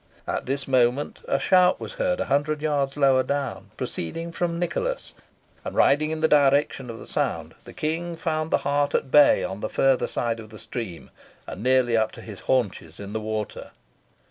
At this moment a shout was heard a hundred yards lower down, proceeding from Nicholas; and, riding in the direction of the sound, the King found the hart at bay on the further side of the stream, and nearly up to his haunches in the water.